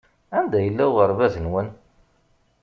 Anda yella uɣerbaz-nwen?